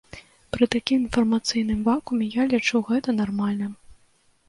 Пры такім інфармацыйным вакууме, я лічу гэта нармальным.